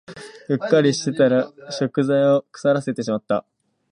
うっかりしてたら食材を腐らせてしまった